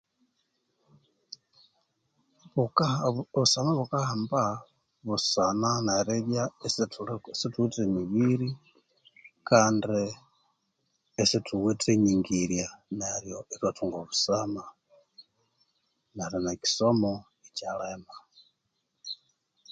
Bukaha obusama bukahamba busana neribya sithuwithe mibiri kandi isithuwithe nyingirya nryo ithwathunga obusama neryo nekisomi ikyalema